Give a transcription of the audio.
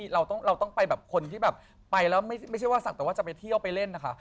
เราต้องไปแบบคนที่แบบไปแล้วไม่ใช่ว่าสั่งแต่ว่าจะไปเที่ยวไปเล่นนะคะ